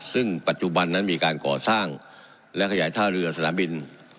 ซึ่งปัจจุบันนั้นมีการก่อสร้างและขยายท่าเรือสนามบิน